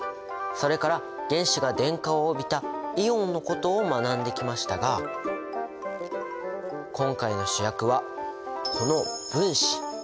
それから原子が電荷を帯びたイオンのことを学んできましたが今回の主役はこの分子。